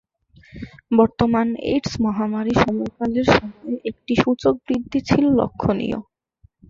বর্তমান এইডস মহামারী সময়কালের সময়ে একটি সূচক বৃদ্ধি ছিল লক্ষনীয়।